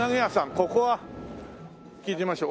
ここは聞いてみましょう。